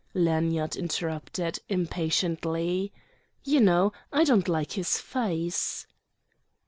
Lanyard interrupted, impatiently. "You know, I don't like his face."